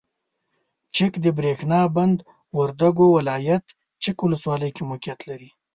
چک دبریښنا بند وردګو ولایت چک ولسوالۍ کې موقعیت لري.